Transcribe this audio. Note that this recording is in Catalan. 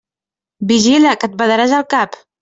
Vigila, que et badaràs el cap!